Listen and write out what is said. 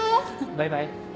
バイバイ。